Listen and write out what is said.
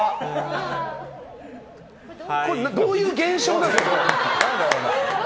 これ、どういう現象ですか？